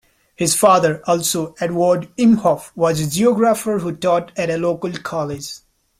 His father, also Eduard Imhof, was a geographer who taught at a local college.